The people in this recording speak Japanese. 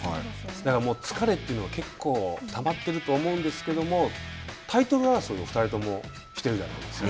だから、疲れというのは結構たまっていると思うんですけれども、タイトル争いを２人ともしてるじゃないですか。